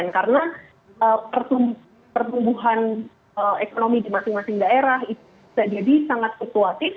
karena pertumbuhan ekonomi di masing masing daerah itu bisa jadi sangat sukuatif